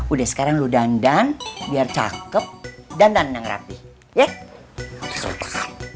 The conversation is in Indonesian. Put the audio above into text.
udah sekarang lo dandan biar cakep dan dandan yang rapi iya